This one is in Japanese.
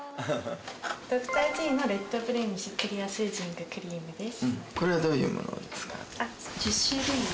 ドクタージーのレッドブレミッシュクリアスージングクリームです。